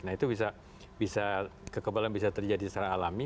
nah itu bisa kekebalan bisa terjadi secara alami